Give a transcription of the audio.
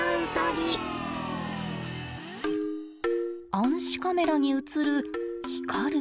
暗視カメラに映る光る目。